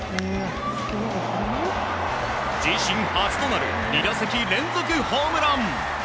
自身初となる２打席連続ホームラン。